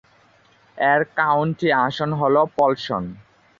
এর কাউন্টি আসন হল পলসন।